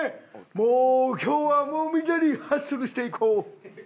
もう今日はもうみんなにハッスルしていこう！